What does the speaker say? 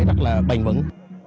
rất là bền vững